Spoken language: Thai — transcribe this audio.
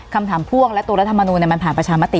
คำถามพ่วงและตัวรัฐมนุมันผ่านประชามติ